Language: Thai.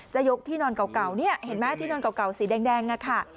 ยกที่นอนเก่าเนี่ยเห็นไหมที่นอนเก่าสีแดงอะค่ะ